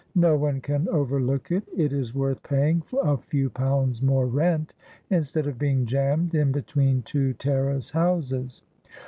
"No one can overlook it, it is worth paying a few pounds more rent, instead of being jammed in between two terrace houses.